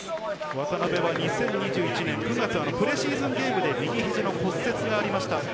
渡邉は２０２２年、プレシーズンゲームで右肘の骨折がありました。